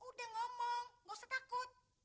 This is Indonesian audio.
udah ngomong gak usah takut